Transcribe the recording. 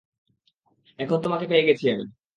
এখন তোমাকে পেয়ে গেছি আমি।